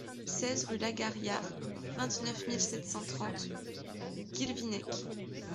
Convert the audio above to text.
seize rue Lagad Yar, vingt-neuf mille sept cent trente Guilvinec